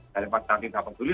daripada tidak peduli